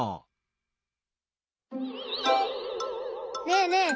ねえねえ！